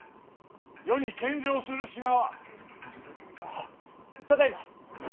はっただいま！